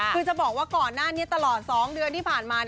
คือจะบอกว่าก่อนหน้านี้ตลอด๒เดือนที่ผ่านมา